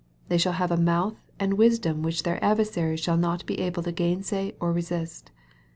They shall have a mouth and wisdom which their adversaries shall not be able to gainsay or resist.